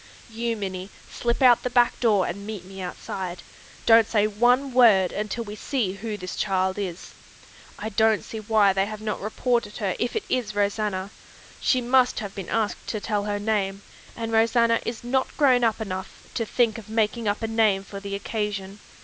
You, Minnie, slip out the back door and meet me outside. Don't say one word until we see who this child is. I don't see why they have not reported her if it is Rosanna. She must have been asked to tell her name, and Rosanna is not grown up enough to think of making up a name for the occasion.